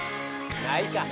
ないか。